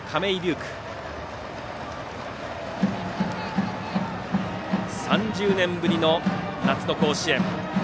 樹徳、３０年ぶりの夏の甲子園。